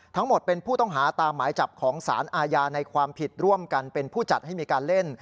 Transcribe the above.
ทั้งหมดเป็นผู้ต้องหาตามหมายจับของสารอาญาในความผิดร่วมกันเป็นผู้จัดให้มีการเล่น